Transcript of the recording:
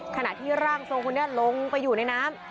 ขณะที่ร่างทรงคนนี้ลงไปอยู่ในน้ำ